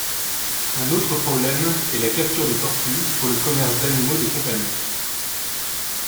Un autre problème est la capture des tortues pour le commerce d’animaux de compagnie.